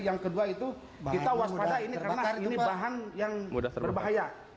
yang kedua itu kita waspada ini karena ini bahan yang berbahaya